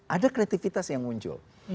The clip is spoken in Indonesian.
ada kreatifitas yang muncul